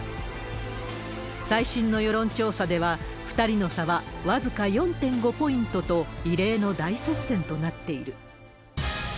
最新の世論調査では、２人の差は僅か４．５ポイントと、異例の大接戦となっている。